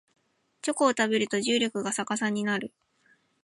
チョコを食べると重力が逆さになる